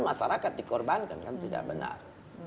masyarakat dikorbankan kan tidak benar